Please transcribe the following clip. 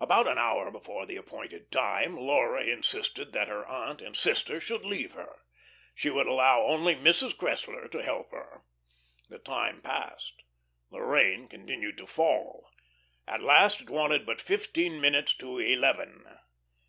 About an hour before the appointed time Laura insisted that her aunt and sister should leave her. She would allow only Mrs. Cressler to help her. The time passed. The rain continued to fall. At last it wanted but fifteen minutes to eleven.